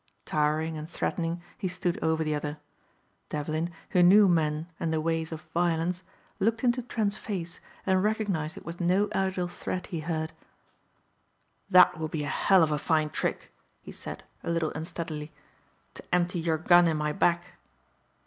Towering and threatening he stood over the other. Devlin, who knew men and the ways of violence, looked into Trent's face and recognized it was no idle threat he heard. "That would be a hell of a fine trick," he said, a little unsteadily, "to empty your gun in my back."